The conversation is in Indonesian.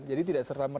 jadi tidak seramah